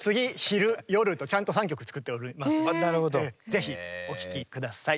ぜひお聴き下さい。